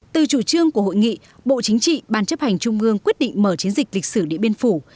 từ chủ trương của hội nghị bộ chính trị ban chấp hành trung ương quyết định mở chiến dịch lịch sử điện biên phủ